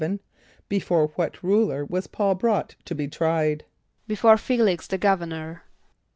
= Before what ruler was P[a:]ul brought to be tried? =Before F[=e]´l[)i]x the governor.